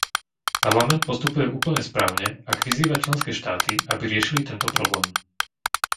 Parlament postupuje úplne správne, ak vyzýva členské štáty, aby riešili tento problém.